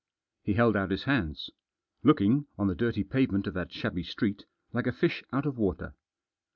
He held out his hands. Looking, on the dirty pavement of that shabby street, like a fish out of water.